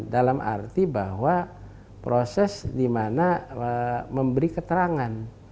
dalam arti bahwa proses di mana memberi keterangan